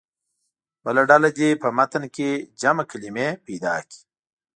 بله ډله دې په متن کې جمع کلمې پیدا کړي.